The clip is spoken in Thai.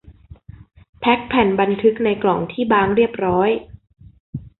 แพ็คแผ่นบันทึกในกล่องที่บางเรียบร้อย